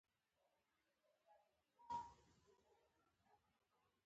دوکاندار د حساب کتاب چټک کوي.